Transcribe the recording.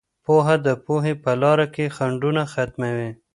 پوهه د پوهې په لاره کې خنډونه ختموي.